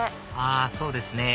あそうですね